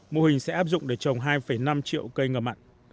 mô hình sẽ áp dụng để trồng hai năm triệu cây ngập mặn